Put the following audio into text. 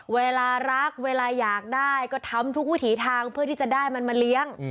เวลารักเวลาอยากได้ก็ทำทุกวิถีทางเพื่อที่จะได้มันมาเลี้ยง